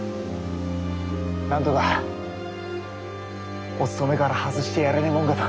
なんとかおつとめから外してやれねえもんかと。